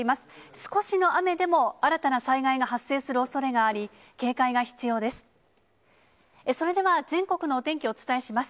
少しの雨でも、新たな災害が発生するおそれがあり、警戒が必要です。